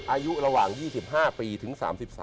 อายุระหว่าง๒๕ปีถึง๓๓